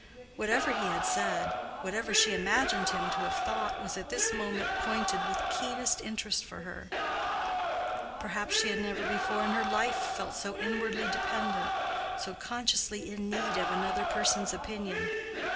Whatever he had said, whatever she imagined him to have thought, was at this moment pointed with keenest interest for her: perhaps she had never before in her life felt so inwardly dependent, so consciously in need of another person's opinion.